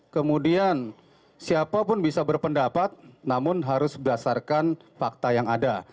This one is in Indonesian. kemudian siapapun bisa berpendapat namun harus berdasarkan fakta yang ada